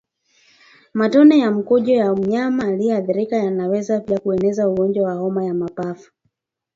Matone ya mkojo wa mnyama aliyeathirika yanaweza pia kueneza ugonjwa wa homa ya mapafu